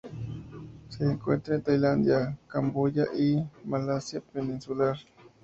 Se encuentra en Tailandia, Camboya y Malasia Peninsular.